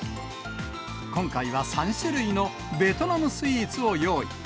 今回は３種類のベトナムスイーツを用意。